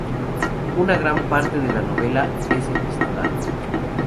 Una gran parte de la novela es epistolar.